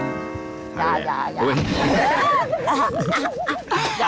อย่าอย่าอย่า